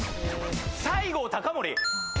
西郷隆盛！